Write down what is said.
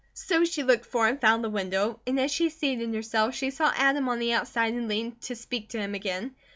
So she looked for and found the window and as she seated herself she saw Adam on the outside and leaned to speak to him again.